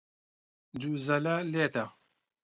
جوزەلە لێدە.